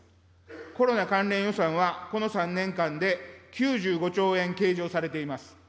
コロナ関連予算はこの３年間で９５兆円計上されています。